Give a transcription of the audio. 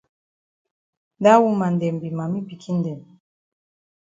Dat woman dem be mami pikin dem.